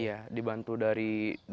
iya dibantu dari dua ribu enam belas